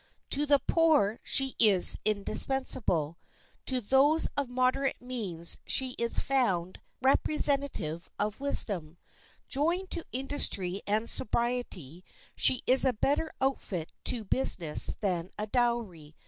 To the poor she is indispensable; to those of moderate means she is found the representative of wisdom. Joined to industry and sobriety, she is a better outfit to business than a dowry.